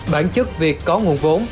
bản chất việc có nguồn vốn